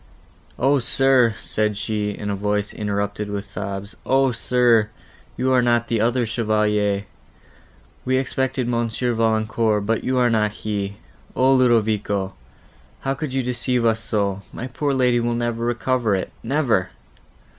"O, sir!" said she, in a voice, interrupted with sobs; "O, sir! you are not the other Chevalier. We expected Monsieur Valancourt, but you are not he! O Ludovico! how could you deceive us so? my poor lady will never recover it—never!"